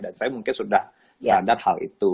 dan saya mungkin sudah sadar hal itu